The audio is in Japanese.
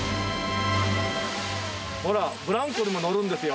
ほらブランコにものるんですよ。